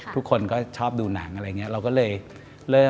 ทุกคนก็ชอบดูหนังอะไรอย่างนี้